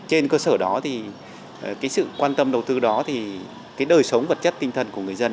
trên cơ sở đó thì cái sự quan tâm đầu tư đó thì cái đời sống vật chất tinh thần của người dân